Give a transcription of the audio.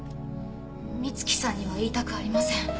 美月さんには言いたくありません。